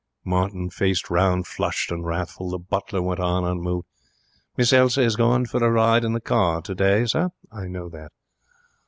Martin faced round, flushed and wrathful. The butler went on unmoved: 'Miss Elsa is going for a ride in the car today, sir.' 'I know that.'